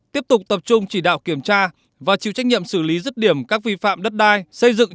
tiếp tục tập trung chỉ đạo kiểm tra và chịu trách nhiệm xử lý rứt điểm các vi phạm đất đai xây dựng